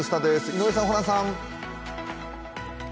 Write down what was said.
井上さん、ホランさん。